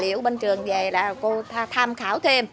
tài liệu bên trường về là cô tham khảo thêm